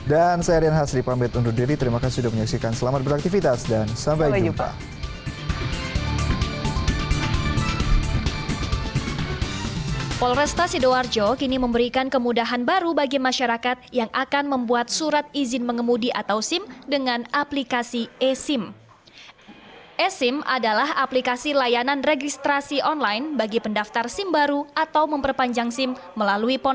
dan saya rian hasri pambet undur diri terima kasih sudah menyaksikan selamat beraktifitas dan sampai jumpa